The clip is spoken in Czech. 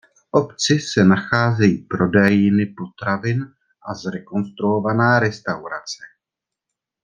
V obci se nacházejí prodejny potravin a zrekonstruovaná restaurace.